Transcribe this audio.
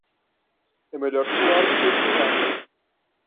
É melhor suar do que espirrar.